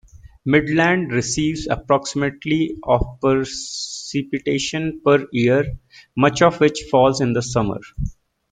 Midland receives approximately of precipitation per year, much of which falls in the summer.